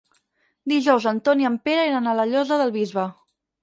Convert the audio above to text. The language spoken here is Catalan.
Dijous en Ton i en Pere iran a la Llosa del Bisbe.